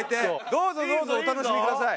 どうぞどうぞお楽しみください。